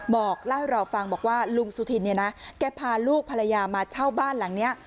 บอกเล่าให้เราฟังบอกว่าลุงสุธินเนี่ยนะแกพาลูกภรรยามาเช่าบ้านหลังนี้